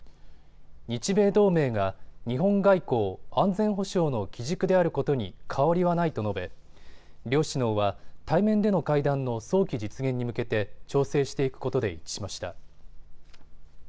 日米同盟が日本外交・安全保障の基軸であることに変わりはないと述べ、両首脳は対面での会談の早期実現に向けて調整していくことで一致しました。